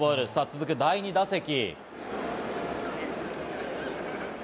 続く第２打席。